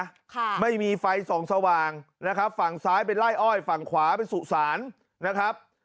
ค่ะไม่มีไฟส่องสว่างนะครับฝั่งซ้ายเป็นไล่อ้อยฝั่งขวาเป็นสุสานนะครับ